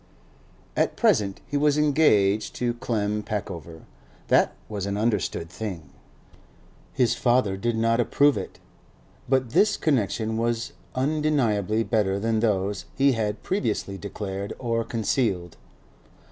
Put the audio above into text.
At present he was 'engaged' to Clem Peckover; that was an understood thing. His father did not approve it, but this connection was undeniably better than those he had previously declared or concealed.